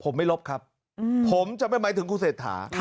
ผมไม่ลบครับผมจะไม่หมายถึงคุณเศรษฐา